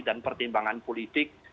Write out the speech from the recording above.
dan pertimbangan politik